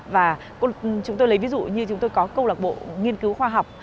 và chúng tôi lấy ví dụ như chúng tôi có câu lạc bộ nghiên cứu khoa học